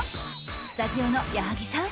スタジオの矢作さん